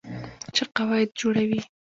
چې قواعد جوړوي.